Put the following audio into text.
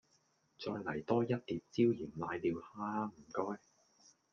再黎多一碟椒鹽瀨尿蝦吖唔該